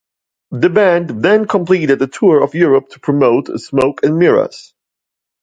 The band then completed a tour of Europe to promote "Smoke and Mirrors".